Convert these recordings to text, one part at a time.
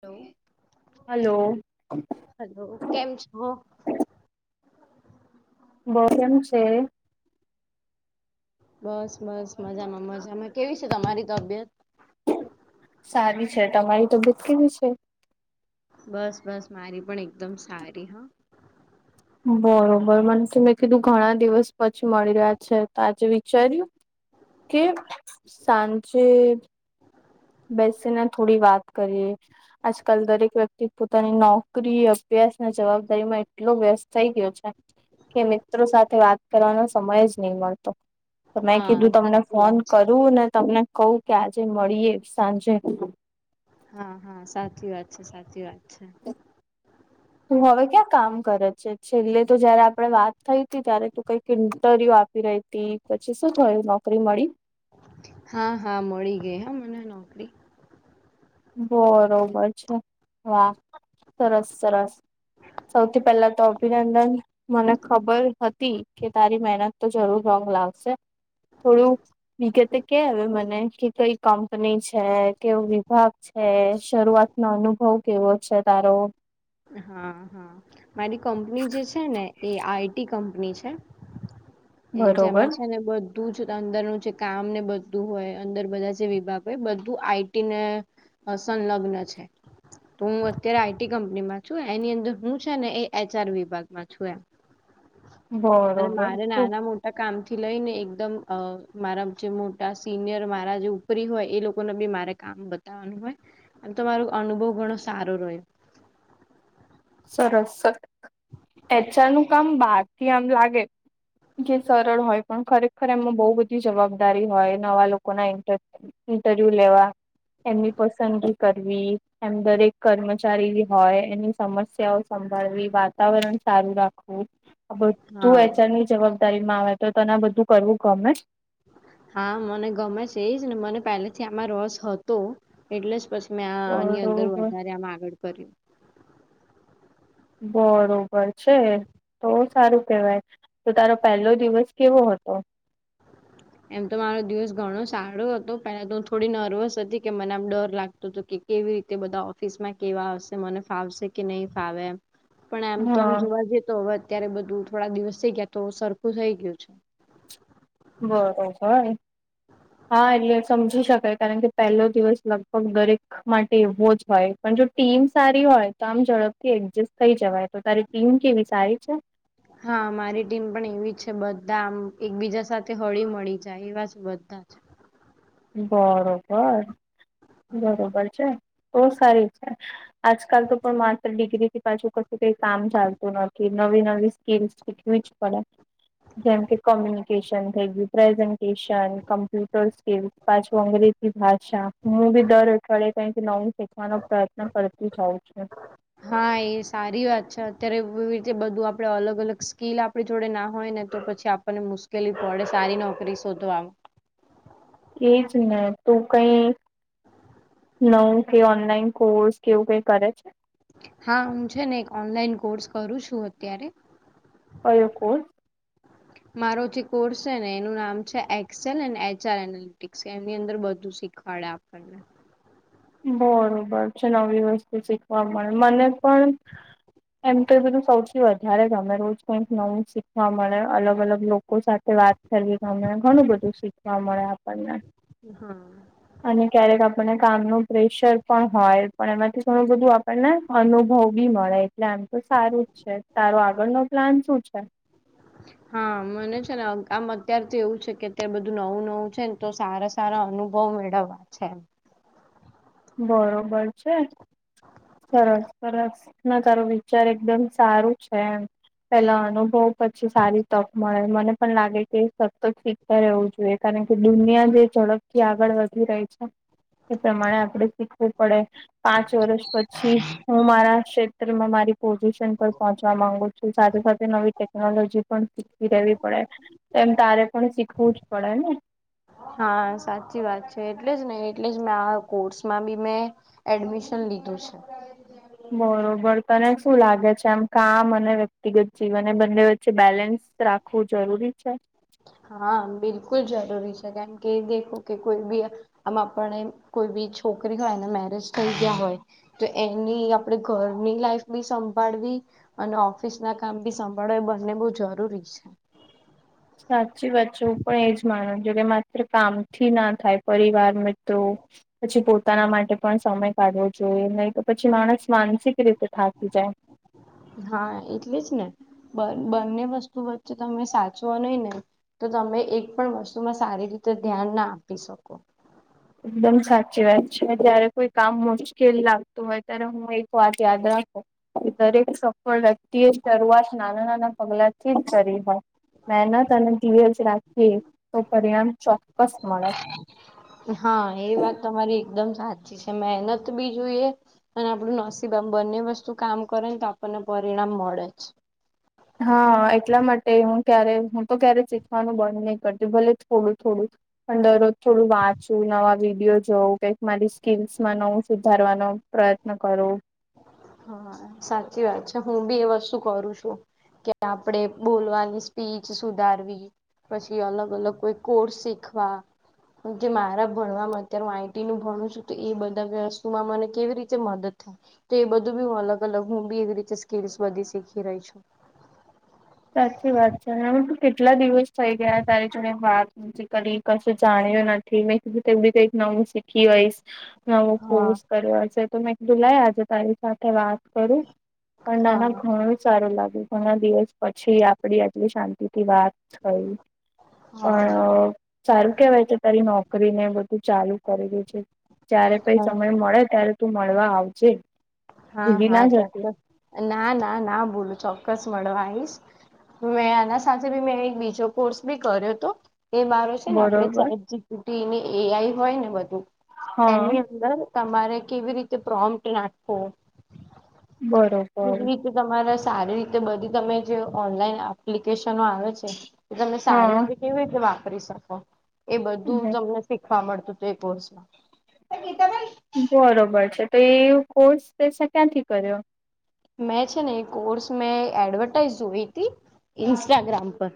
Hello hello hello કેમ છો? કેમ છે? બસ બસ મજામાં મજામાં કેવી છે તમારી તબિયત? સારી છે તમારી તબિયત કેવી છે? બસ બસ મારી પણ એકદમ સારી હા બરોબર મને ત મેં કીધું ઘણા દિવસ પછી મળી રહ્યા છે તો આજે વિચાર્યું કે સાંજે બેસ ના થોડી વાત કરીએ આજકાલ દરેક વ્યક્તિ પોતાની નોકરી અભ્યાસ અને જવાબદારી માં એટલો વ્યસ્ત થઇ ગયો છે. કે મિત્રો સાથે વાત કરવાનો સમય જ નહીં મળતો તો મેં હા કીધું તમને સાચી ફોન વાત છે. કરું ને તમને કહ કે આજે મળીએ સાંજે હા હા સાચી વાત છે સાચી વાત છે તું હવે ક્યાં કામ કરે છે છેલ્લે તો જયારે આપડે વાત થઈ હતી ત્યારે તું કંઈક ઇન્ટરવ્યુ આપી રહી પછી શું થયું નોકરી મળી? હા હા મળી ગઈ હ મને નોકરી બરોબર છે હા સરસ સરસ સૌથી પહેલા તો અભિનંદન. મને ખબર હતી કે તારી મહેનત તો જરૂર રંગ લાવશે થોડું વિગતે કે હ મને કે કઈ કંપની છે કેવ વિભાગ છે શરૂઆત નો અનુભવ કેવો છે તારો? હા હા મારી કંપની જે છે ને એ આઈટી કંપની છે. એ બરોબર જમા છે ને બ બધું છે અંદરનું જે કામ ને બધું હોય અંદર બધા જે વિભાગ હોય બધું આઈટીને સંલગ્ન છે તો હું અત્યારે આઈટી કંપનીમાં છું એની અંદર હું છે ને એ એચઆર વિભાગમાં છું એમ. અને બરોબર મારે ખુબ નાના મોટા કામ થી લઈ ને એકદમ મારા જે મોટા સિનિયર મારા જે નોકરી હોય એ લોકોને બી મારે કામ બતાવવાનું હોય એમ તમારો અનુભવ ઘણો સારો રહ્યો. સરસ એચઆર નું કામ બારથી આમ લાગે કે સરળ હોય પણ ખરેખર એમમાં બહુ બધી જવાબદારી હોય નવા લોકો ના ઇન્ટર ઇન્ટરવ્યુ લેવા એમની પસંદગી કરવી એમ દરેક કર્મચારી હોય એની સમસ્યાઓ સંભાળવી વાતાવરણ સારું રાખવું આ હા બધું એચારની જવાબ માં આવે તો તને બધું કરવું ગમે? હા મને ગમે છે એજ ને મને પહેલેથી આમાં રસ હતો. એટલે જ પછી મેં આ આની અંદર બરોબર વધારે આમ આગળ કર્યું બરોબર છે તો સારું કેહેવાય તો તારો પહેલો દિવસ કેવો હતો? [inaudible] [inaudible] એમ તો મારો દિવસ ઘણો સારો હતો પેલા તો હું થોડી નર્વસ હતી કે મને આમ ડર લાગતો હતો કે કેવી રીતે બધા ઓફિસ માં કેવા આવશે મને ફાવશે કે નહીિ ફાવેમ પણ આમ તો આમ હા જોવા જઈ તો હવે અત્યારે બધું થોડા દિવસ થઈ ગયા તો સરખું થઈ ગયું છે. બરોબર. હા એટલે સમજી શકાય કારણ કે પહેલો દિવસ લગભગ દરેક માટે એવો જ હોય પણ જો ટીમ સારી હોય તો આમ ઝડપથી એક્જસ્ટ થઈ જવાય તો તારી એમ કેવી સારી છે? હા મારી ટીમ પણ એવી છે બધા આમ એકબીજા સાથે હળી મળી જાય એવા બધા બરોબર બરોબર છે બહ સારી છે આજકાલ તો પણ માત્ર ડિગ્રી થી પાછું કશું કઈ કામ ચાલતું નથી નવી નવી સ્કીમ શીખવી [inaudible] જેમ કે કોમ્યુનિકેશન થઈ ગયું પ્રેઝન્ટેશન કમ્પ્યુટર સ્કીલ પાછ અંગ્રેજી ભાષા મુું બી દર અઠળે ક નઉ શ ો પ્રયત્ન કરતી જઉં છું હા એ સારી વાત છે અત્યારે એવી રીતે બધું આપડે અલગ અલગ સ્કીલ આપ આપડી જોડે ના હોય ને તો પછી આપણને મુશ્કેલી પડે સારી નોકરી શોધો આવે એ જ ને તું કઈ નવું કે ઓનલાઈન કોર્સ કેવું કઈ કરે છે હા હું છે ને એક ઓનલાઈન કોર્સ કરું છું અત્યારે ક કણ મારો જે કોર્સ છે ને એનું નામ છે એક્સેલ એ એચ આર એનાલટિક્સ એની અંદર બધું શીખવાડે આપ [inaudible] બરોબર છે નવી વસ્તુ શીખવા મળે મને પણ એમ તો એ બધું સૌથી વધારે જ ગમે રોજ કઈક નવું શીખવા મળે અલગ અલગ લોકો લોકો સાથે વાત કરવી ગમને ઘણું બધું શીખવા મળે આપણને હા અને ક્યારેક આપણને કામનું પ્રેશર પણ હોય પણ એમાંથી ઘણું બધું આપણને અનુભવ બી મળે એટલે આમ તો સારું તારો આગળનોો પ્લાન શું છે હા મને છે ને આમ અત્યાર તોથી એવું છે કે અત્યારે બધું નવું નવું છે ને તો સારા સારા અનુભવ મેળવવા છે એમ બરોબર છે સરસ સરસ ના તારો વિચાર એકદમ સારું છે એમ પેલા અનુભવ પછી સારી તક મળે મને પણ લાગે કે સતત ઠીકતા રહેવું જોઈએ કારણ કે દુનિયા જે ઝડપથી આગળ વધી રહી છે એ પ્રમાણે આપડે શીખવું પડે પાંચ વર્ષ પછી હું મારા ક્ષેત્રમાં મારી પોઝિશન પર પહોંચવા માંગુ છ સાથે સાથે નવી ટેકનોલોજી પણ શીખવી રહેેવી પડે એમ તારે પણ શીખવું જ પડે ને હા સાચી વાત છે એટલે જ ને એટલે જ મે આ કોર્સમાં બી મેં એડમિશન લીધું છે બરોબર તને શું લાગે છે આમ કામ અને વ્યક્તિગત જીવન એ બંને વચ્ચે બેલેન્સ રાખ આખું જરૂરી છે હા બિલકુલ જરૂરી છે કેમ કે દેખો કે કોઈ બી આમ આપને કોઈ બી છોકરી હોય ને મેરેજ થઈ ગયા હોય તો એની આપણેે ઘરની લાઈફ બી સંભાળવી અને ઓફિસ ના કામ ભી સંભાળો એ બંને બહ જરૂરી છે સાચી વાત છે હું પણ એજ માનું છું કે માત્ર કામથી ના થાય પરિવાર મ તો્રો પછી પોતાના માટે પણ સમય કાઢવો જોઈએ નહી તો પછી માણસ માનસિક રીતે થાકી જાય હા એટલે જ ને બંને વસ્તુ વચ્ચે તમે સાચવા નહી ને તો તમે એક પણ વસ્તુમાં સારી રીતે ધ્યાન ના આપી શકો એકદમ સાચી વાત છે, જયારે કોઈ કામ મુશ્કેલ લાગતું હોય ત્યારે હું એક વાત યાદ રાખુ દરેક સફળ વ્યક્તિ એ શરૂઆત નાના નાના પગલાથી જ કરી હોય. મહેનત અને દવેસ રાખીએ તો પરિણામ ચોક્કસ મળે હા એ વાત તમારી એકદમ સાચી છે મહેનત બી જોઈએ અને આપણું નસીબ આમ બંને વસ્તુ કામ કરે ને તો આપણને પરિણામ મળે જ હા એટલા માટે હું ક્યારે હું તો ક્યારે શીખવાનું બંધ નહી કરતી ભલે થોડું થોડું પણ દરરોજ થોડું વાંચવું નવા વિડીિયો જોવું કઈક મારી સ્કીલસમાં નવું સુધારવાનું પ્રયત્ન કરો હા સાચી વાત છે હું બી એ વસ્તુ કરું છુ. કે આપડણે બોલવાની સ્પીચ સુધારવી પછી અલગ અલગ કોઈ કોર્સ શીખવા. કે મારા ભણવામાં અત્યારે હું આઈટી નું ભણું છુ. તો એ બધા વસ્તુમાં મને કેવી રીતે મદદ તો એ બધું બી હ અલગ અલગ હું બીવી રીતે સ્કી બધી શીખી રહી છુ. સાચી વાત છે અનેમ તું કેટલા દિવસ થઈ ગયા તારી જોડે વાત જ ક કશું જાણ્યું નથી મેં કીધુંવી કંઈક નવું શીખી હોઈશ નવો હા કોર્સ કર્યો હશે તો મેં જુલાઈ આજે તારી સાથે વાત. કરું પણ નાના હા ઘણું સારું લાગ્યુ, ઘણા દિવસ પછી આપડી આટલી શાંતિથી વાત થઈ, હા પણ સારું કેવાય કે તારી નોકરી ને બધું ચાલુ કરલ્યું છે. જારે પઈ હા સમય મળે ત્યારે તું મળવા આવજે હા ભૂલી હા, ના જતી ચોક્કસ ના ના ના ભોલું ચોક્કસ મળવા આવીઈશ મેં આના સાથે બી મેં એક બીજો કોર્સ બી કર્યો હતો એ મારો ને આપણે બરોબર ચેી એઆઈ હોય ને બધું હા એની અંદર તમારે કેવી રીતે પ્રોમ્ટ નાખવો કેવી બરોબર. રીતે તમારે સારી રીતે બધી તમે જે ઓનલાઈન એપ્લિકેશનો આવે છે. કે તમે સારી હા રીતે કેવી રીતે વાપરી શકો એ બધું તમને શખ. મ કોર્સમાં. બરોબર છે, તો એ કોર્સ પ ક્યાંથી કર્યો મેં છે ને એ કોર્સ મેં એડવર્ટાઈઝ જોઈ હતી ઇન્સ્ટાગ્રામ પર.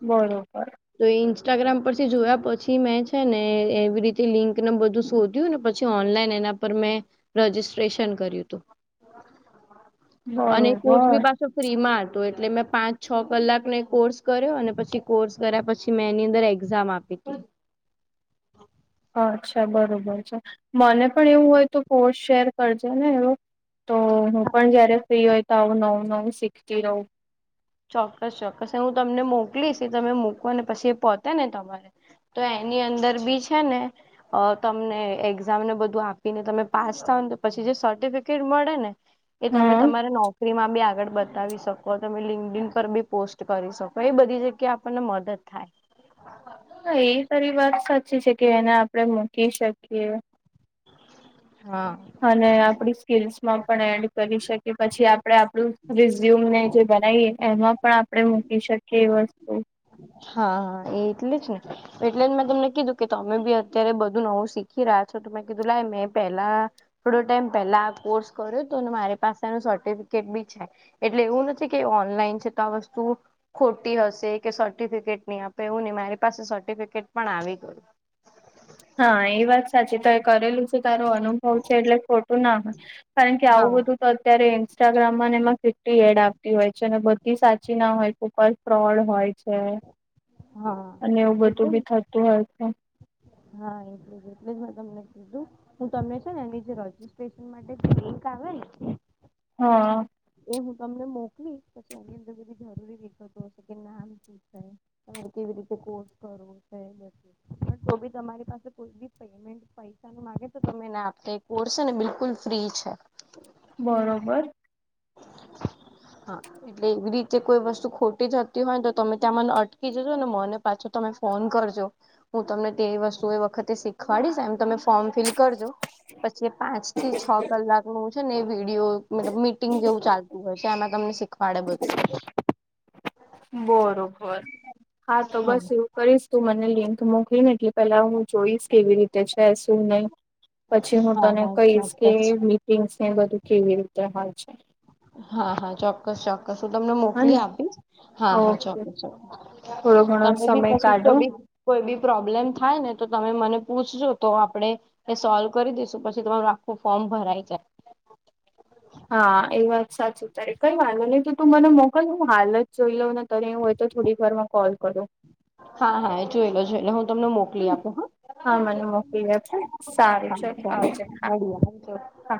બરોબર. તો ઇન્સ્ટાગ્રામ પરથી જોયા પછી મેં છેને, એવી રીતે લિંકને બધું શોધ. ને પછી ઓનલાઈન એના પર મેં રજીિસ્ટ્રેશન કર્યું હતુ અને કોર્સ બરોબર પા. ફ્રી માં હતું એટલે મેં પાંચ છ, કલાક ને કોર્સ કર્યો અને પછી કોર્સ કર્યા પછી. પછી મેં એની અંદર એક્ઝામ આપી હતી. અચ્છા બરોબર છે, મને પણ એવું હોય તો પોસ્ટ શેર કરજે ને એવો તો હું પણ જયારે ફ્રી હોય તો આવું નવું નવું શીખતી રહઉું ચોક્કસ ચોક્કસ હું તમને મોકલીશ તમે મૂકવા ને પછી એ પોહોતે ને તમારે તો એની અંદર બી છેને અ તમને એક્ઝામને બધું આપીને તમે પાસ થાવ ને તો પછી જે સર્ટિફિકેટ મળે ને એ તમે હા તમારા નોકરી માં બી આગળ બતાવી શકો તમે લિ પર બી પોસ્ટ કરી શકો એ બધી જગ્યા આપણને મદદ થાય. હા એ તારી વાત સાચી છે કે એને આપડણે મૂકી શકીએ હા. અને આપણી સ્કીલ્સ માં પણ એડ કરી શકીએ પછી આપણેે આપણું રિઝ્યુમ ને જે બનાવીએ. એમાં પણ આપણેે મૂકી શકીએ એ વસ્તુ હા હા એ એટલેજ ને એટલે જ મેં તમને કીધું કે તમે બી અત્યારે બધું નવું શીખી રહ્યા છો, તો મેં કીધું લ મેં પહેલા થોડો ટાઈમ પેલા આ કોર્સ કર્યો તો મારી પાસેનું સર્ટિફિકેટબી છે. એટલે એવું નથી કે ઓનલાઈન છે તો આ વસ્તુ ખોટી હશે કે. ેટ ન આપે એુંને મારી પાસે સર્ટિફિકેટ પણ આવી ગયું. હા એ વાત સાચી તો એ કરેલું છે, તારો અનુભવ છે એટલે ખોટુંના હોય. કારણ કે આવું હા બધું. તો અત્યારે ઇન્સ્ટાગ્રામમાંને એમાં ફિફ્ટી એડ આવતી હોય છે અને બધી સાચીના હોય ફ્રોડ હોય છે, હા. અને એવું બધું એટલે બી થતું હોય છે. હા એટલ જ એટલેજ મેં તમને કીધુ. હું તમને છેને, એની જે રજીિસ્ટ્રેશન માટે લંક આવે ને હા. એ હું તમને મોકલી પછી એની અંદર બધી જરૂરી વિગતો હશે કે ના. તમારે કેવી રીતે કોર્સ કરવો છે. પણ તો બી તમારી પાસે કોઈી પેમેન્ટ. પૈે તમેને આપ કોર્સ છે ને બિલકુલ ફ્રી છે. બરોબર. હા. એટલે એવી રીતે કોઈ વસ્તુ ખોટી જતી હોય ને તો તમે ત્યાં મને અટકી જજો ને મને પાછો તમે ફોન કરજો. હું તમને તે વસ્તુ એ વખતે શીખવાડીશ એમ તમે. ફોર્મ ફિલ કરજો પછી પાંચ થી છ કલાક નું છે ને વિડીિયો મલબ મી. જેવું ચાલતું હોય છે એમાં તમને. શીખવાડે બધું બરોબર હા તો બસ એવું. કરીશ તું મને લિન્થ મોકલી ને એટલે પેલા હું જોઈશ કેવી રીતે છે શું નહી. પછી હું હા તને હા કહીશ કે ચોક્કસ મીટિંગ્સ ને બધું કેવી રીતે હોય છે. હા હા ચોક્કસ ચોક્કસ હું તમને મોકલી હને આપીશ હા હા ઓકે ચોક્કસક્. થોડો ઘણો તમે બી સમય તો શીખો કાઢો બી કોઈ બી પ્રોબ્લેમ થાય ને તો તમે મને પૂછજો તો આપણેે એ સોલ્વ કરી દઈસુ પછી તમારું આખું ફોર્મ ભરાઈ જાય હા એ વાત સાચું તાય કઈ વાંધ નહીિ તો તું મને મોકલું હાલ જ જોઈ લઉ નથી ત્યારે એું હોય તો થોડીક વાર માં કોલ કરો હા હા જોઈેલો જોઈલે હું તમને મોકલી આપું હા મને મોકલી આપે હ સારું ચલ સ આવજે હા મળ હા